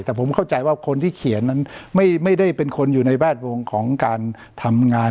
แต่ผมเข้าใจว่าคนที่เขียนนั้นไม่ได้เป็นคนอยู่ในแวดวงของการทำงาน